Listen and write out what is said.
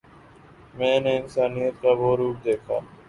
میں نے انسانیت کا وہ روپ دیکھا